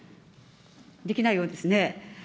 できないようですね。